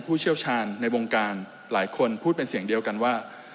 ผู้เชี่ยวชาญในวงการหลายคนพูดเป็นเสียงเดียวกันว่า